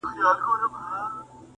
صداقت اوننګ ناموس دنیانه ورک شول